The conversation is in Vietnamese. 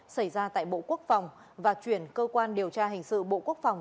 xảy ra tại bộ quốc phòng và chuyển cơ quan điều tra hình sự bộ quốc phòng